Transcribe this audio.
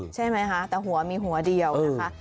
ใช่ไหมคะแต่หัวมีหัวเดียวนะคะ